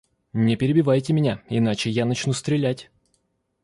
Не перебивайте меня, иначе я начну стрелять.